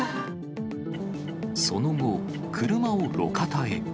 その後、車を路肩へ。